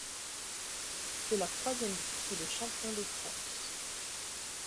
C'est leur troisième titre de champion de France.